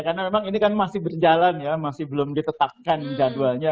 karena memang ini kan masih berjalan ya masih belum ditetapkan jadwalnya